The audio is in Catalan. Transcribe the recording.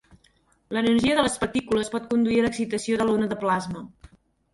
L'energia de les partícules pot conduir a l'excitació de l'ona de plasma.